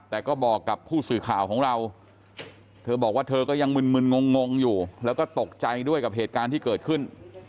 แต่ก็บอกกับผู้สื่อข่าวของเราเธอบอกว่าเธอก็ยังมึนงงอยู่แล้วก็ตกใจด้วยกับเหตุการณ์ที่เกิดขึ้น